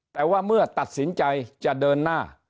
แต่ว่าเมื่อตัดสินใจจะเดินหน้า